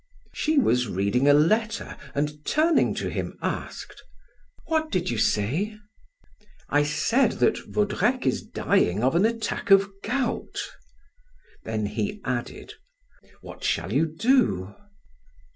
She was reading a letter and turning to him asked: "What did you say?" "I said that Vaudrec is dying of an attack of gout." Then he added: "What shall you do?"